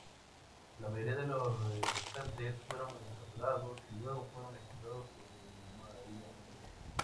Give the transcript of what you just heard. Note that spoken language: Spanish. La mayoría de los restantes fueron capturados y luego fueron ejecutados sumariamente.